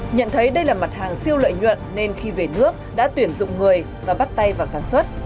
nhận thấy đây là mặt hàng siêu lợi nhuận nên khi về nước đã tuyển dụng người và bắt tay vào sản xuất